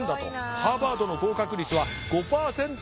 ハーバードの合格率は５％未満。